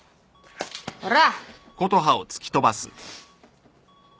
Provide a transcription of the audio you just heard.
ほら！